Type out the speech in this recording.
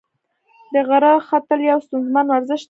د غره ختل یو ستونزمن ورزش دی.